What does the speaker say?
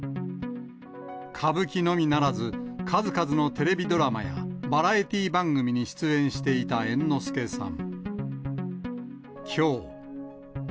歌舞伎のみならず、数々のテレビドラマやバラエティー番組に出演していた猿之助さん。